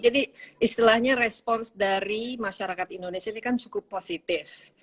jadi istilahnya respons dari masyarakat indonesia ini kan cukup positif